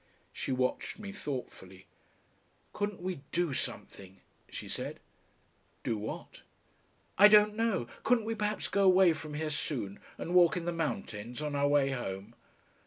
She watched me thoughtfully. "Couldn't we DO something?" she said. Do what? "I don't know. Couldn't we perhaps go away from here soon and walk in the mountains on our way home."